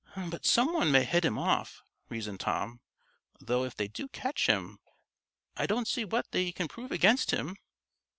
"But some one may head him off," reasoned Tom. "Though if they do catch him, I don't see what they can prove against him.